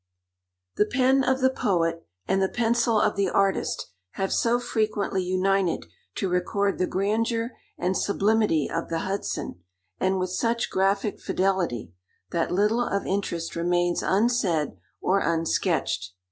The pen of the poet and the pencil of the artist have so frequently united to record the grandeur and sublimity of the Hudson, and with such graphic fidelity, that little of interest remains unsaid or unsketched.